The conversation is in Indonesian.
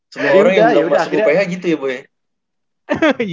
semua orang yang udah masuk uph gitu ya boy